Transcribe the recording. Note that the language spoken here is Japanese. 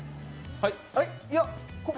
はい？